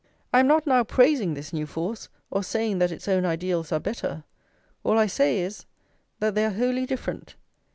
I am not now praising this new force, or saying that its own ideals are better; all I say is, that they are wholly different.